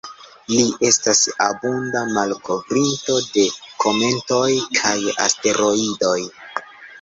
Li estas abunda malkovrinto de kometoj kaj asteroidoj.